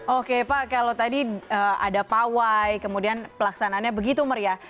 oke pak kalau tadi ada pawai kemudian pelaksanaannya begitu meriah